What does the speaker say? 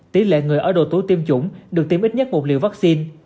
tỷ lệ người ở đồ tố tiêm chủng được tiêm ít nhất một liều vaccine